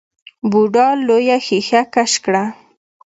بوډا لويه ښېښه کش کړه.